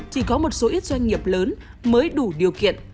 chỉ có một số ít doanh nghiệp lớn mới đủ điều kiện